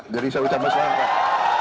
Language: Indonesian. jadi jangan sedikit sedikit